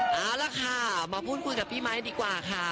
เอาล่ะค่ะมาพูดคุยกับพี่ไมค์ดีกว่าค่ะ